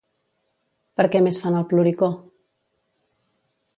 Per què més fan el ploricó?